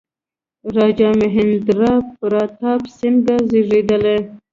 راجا مهیندرا پراتاپ سینګه زېږېدلی.